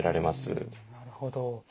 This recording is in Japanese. なるほど。